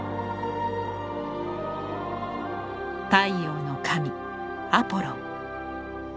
太陽の神アポロン。